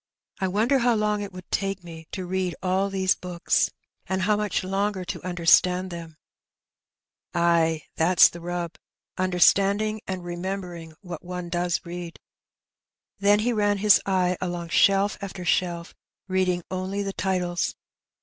I wonder how long it would take me to read all these books, and how much longer to understand them ? Ay, that's the rub — understanding and remembering what one does read.^' Then he ran his eye along shelf after shelf, reading only the titles.